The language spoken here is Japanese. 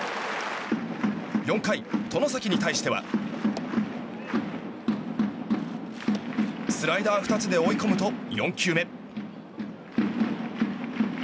４回、外崎に対してはスライダー２つで追い込むと４球目。